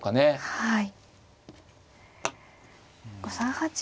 はい。